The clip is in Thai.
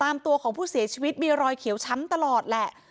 ตามตัวของผู้เสียชีวิตมีรอยเขียวช้ำตลอดแหละ